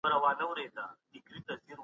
حقوقي چاري باید په سمه توګه تنظیم سي.